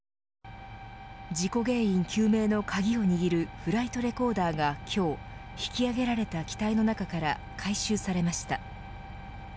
事故原因究明の鍵を握るフライトレコーダーが今日引き揚げられた機体の中から回収されました。